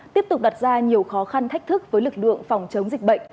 tiếp tục đặt ra nhiều khó khăn thách thức với lực lượng phòng chống dịch bệnh